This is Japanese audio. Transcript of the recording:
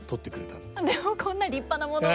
でもこんな立派なものを。